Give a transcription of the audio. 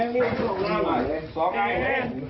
มีบอกเผิดเหรอ